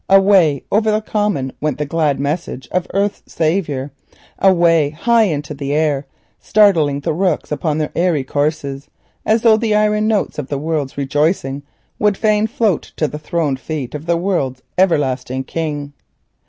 Away over the common went the glad message of Earth's Saviour, away high into the air, startling the rooks upon their airy courses, as though the iron notes of the World's rejoicing would fain float to the throned feet of the World's Everlasting King.